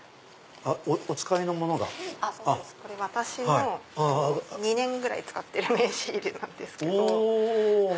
私の２年ぐらい使ってる名刺入れなんです。